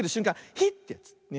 ヒッ！ってやつ。